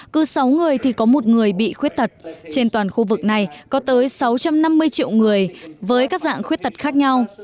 cứ sáu người thì có một người bị khuyết tật trên toàn khu vực này có tới sáu trăm năm mươi triệu người với các dạng khuyết tật khác nhau